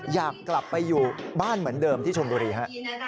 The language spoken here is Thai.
อยากกลับไปอยู่บ้านเหมือนเดิมที่ชนบุรีฮะ